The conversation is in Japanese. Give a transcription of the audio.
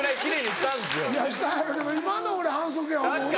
したんやろけど今の反則や思うな。